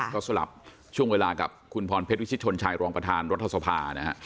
ก็สลับช่วงเวลากับคุณพรเพชรวิชิตชนชายรองประธานรัฐสภานะฮะ